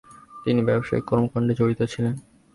তিনি ব্যবসায়িক কর্মকাণ্ডে জড়িত ছিলেন।